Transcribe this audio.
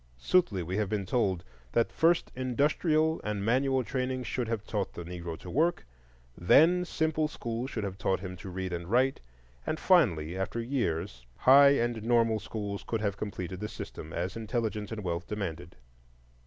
Soothly we have been told that first industrial and manual training should have taught the Negro to work, then simple schools should have taught him to read and write, and finally, after years, high and normal schools could have completed the system, as intelligence and wealth demanded.